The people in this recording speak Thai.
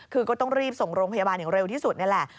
คือก็ต้องรีบส่งโรงพยาบาลอย่างเร็วที่สุดนี่แหละ